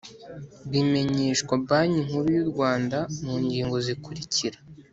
bimenyeshwa banki nkuru y’u rwanda mu ngingo zikurikira